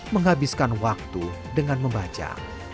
menghabiskan waktu dengan membaca